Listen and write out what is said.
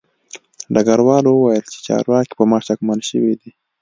ډګروال وویل چې چارواکي په ما شکمن شوي دي